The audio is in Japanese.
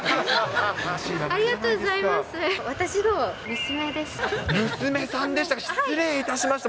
ありがとうございます。